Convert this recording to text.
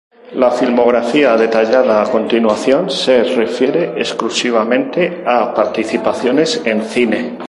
La filmografía detallada a continuación se refiere exclusivamente a participaciones en cine.